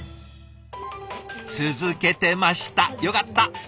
続けてましたよかった！